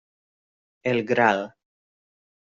El 'Gral.